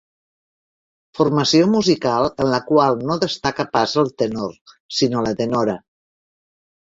Formació musical en la qual no destaca pas el tenor sinó la tenora.